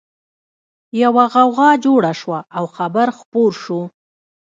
يوه غوغا جوړه شوه او خبر خپور شو